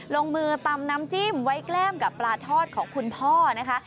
ลงมือตำน้ำจิ้มไว้แกล้มกับปลาทอดของคุณพ่อนะคะ